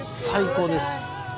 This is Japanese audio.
最高です。